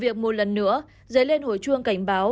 việc một lần nữa dấy lên hồi chuông cảnh báo